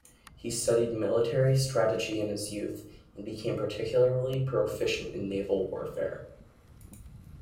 He studied military strategy in his youth, and became particularly proficient in naval warfare.